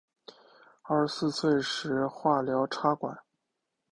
二十四岁时化疗插管